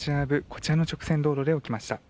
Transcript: こちらの直線道路で起きました。